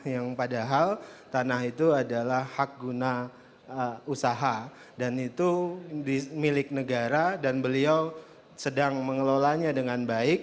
yang padahal tanah itu adalah hak guna usaha dan itu milik negara dan beliau sedang mengelolanya dengan baik